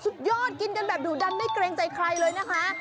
สุดยอดกินกันแบบดุดันไม่เกรงใจใครเลยนะคะ